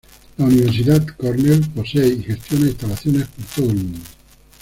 La Universidad Cornell posee y gestiona instalaciones por todo el mundo.